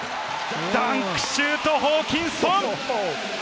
ダンクシュート、ホーキンソン！